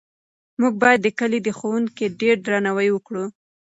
موږ باید د کلي د ښوونکي ډېر درناوی وکړو.